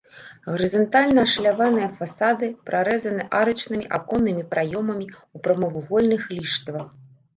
Гарызантальна ашаляваныя фасады прарэзаны арачнымі аконнымі праёмамі ў прамавугольных ліштвах.